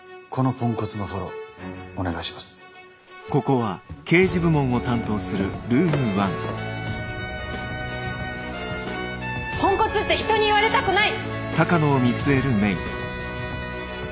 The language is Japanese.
ポンコツって人に言われたくない。